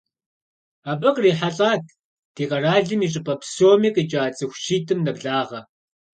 Абы кърихьэлӏат ди къэралым и щӏыпӏэ псоми къикӏа цӏыху щитӏым нэблагъэ.